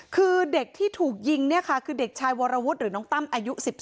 คือเด็กที่ถูกยิงเนี่ยค่ะคือเด็กชายวรวุฒิหรือน้องตั้มอายุ๑๒